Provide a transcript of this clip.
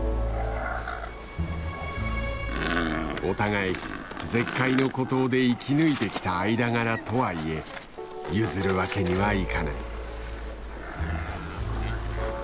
お互い絶海の孤島で生き抜いてきた間柄とはいえ譲るわけにはいかない。